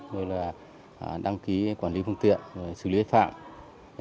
như là đăng ký quản lý phương tiện xử lý vi phạm